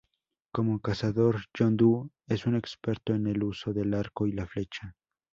Como cazador, Yondu es un experto en el uso del arco y la flecha.